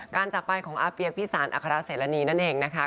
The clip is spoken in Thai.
การจากไปของอาเบียกพี่สรรอัคราเสรรณีซ์นั่นเองนะคะ